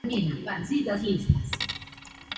El macho canta con más fuerza y entonación que la hembra.